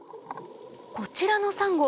こちらのサンゴ